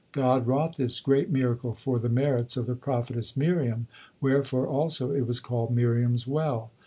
God wrought this great miracle for the merits of the prophetess Miriam, wherefore also it was called "Miriam's Well."